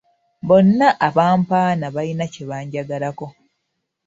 Bonna abampaana balina kye banjagalako.